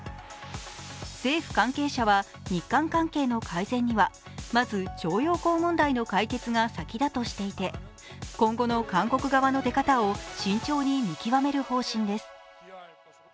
政府関係者は日韓関係の改善にはまず徴用工問題の解決が先だとしていて今後の韓国側の出方を慎重に見極める方針です。